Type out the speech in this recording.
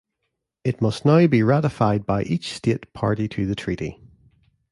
It must now be ratified by each state party to the treaty.